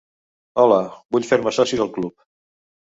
Hola, vull fer-me soci del club.